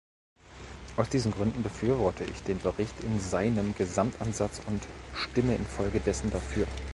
Aus diesen Gründen befürworte ich den Bericht in seinem Gesamtansatz und stimme infolgedessen dafür.